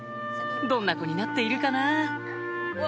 どんな子になっているかな？